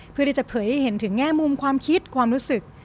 เพื่อที่จะเผยให้เห็นถึงแง่มุมความคิดความรู้สึก